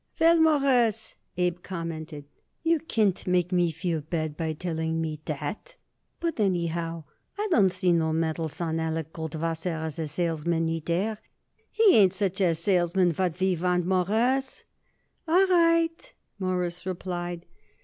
"Well, Mawruss," Abe commented, "you can't make me feel bad by telling me that. But anyhow, I don't see no medals on Alec Goldwasser as a salesman, neither. He ain't such a salesman what we want it, Mawruss." "All right," Morris replied.